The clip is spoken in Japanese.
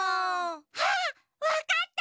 あっわかった！